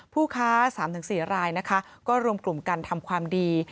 ผู้ค้า๓๔รายนะคะก็รวมกลุ่มกันทำความดี